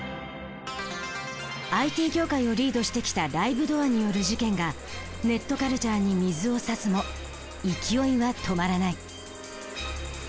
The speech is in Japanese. ＩＴ業界をリードしてきたライブドアによる事件がネットカルチャーに水をさすも勢いは止まらない。